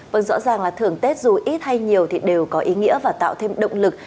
vâng rõ ràng là thưởng tết dù ít hay nhiều thì đều có ý nghĩa và tạo thêm động lực